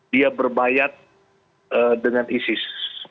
dia berbayat dengan isis